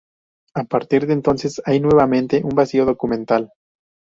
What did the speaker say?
A partir de entonces hay nuevamente un vacío documental.